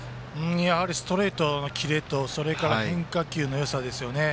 やはりストレートのキレと変化球のよさですよね。